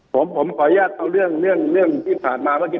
ผมขออนุญาตเอาเรื่องที่ผ่านมาเมื่อกี้